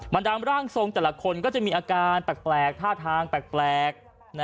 ดามร่างทรงแต่ละคนก็จะมีอาการแปลกท่าทางแปลก